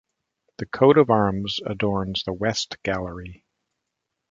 The Coat of Arms adorns the West Gallery.